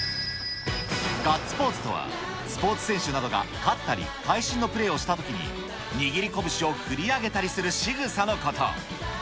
ガッツポーズとは、スポーツ選手などが勝ったり会心のプレーをしたときに、握り拳を振り上げたりするしぐさのこと。